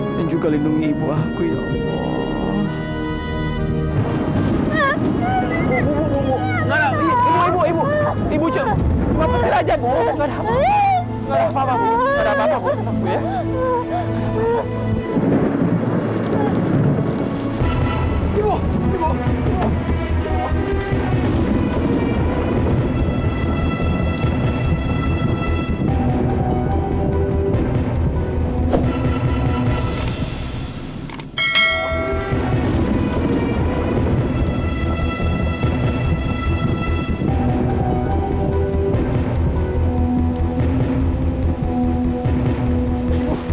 dan juga lindungi ibu aku ya allah